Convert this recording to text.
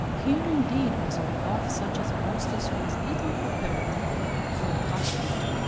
Here indeed was a rebuff such as Augustus was little prepared for, or accustomed to.